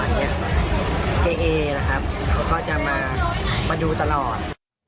เขาก็จะมาดูตลอด